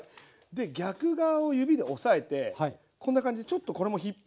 で逆側を指で押さえてこんな感じでちょっとこれも引っ張りながら。